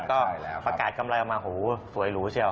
ก็ประกาศกำไรออกมาโหสวยหรูเชียว